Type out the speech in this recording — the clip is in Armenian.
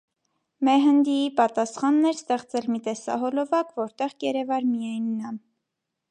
Մեհնդիի պատասխանն էր ստեղծել մի տեսահոլովակ, որտեղ կերևար միայն նա։